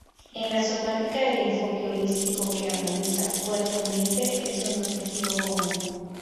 En la somática el enfoques holístico que armoniza cuerpo-mente es un objetivo común.